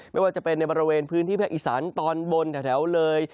ไม่ว่าจะเป็นในบริเวณพื้นที่ภาคอีสานตอนบนแถวเลย